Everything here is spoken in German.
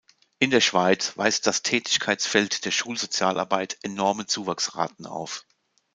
In der Schweiz weist das Tätigkeitsfeld der Schulsozialarbeit enorme Zuwachsraten auf.